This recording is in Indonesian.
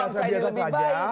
orang biasa biasa saja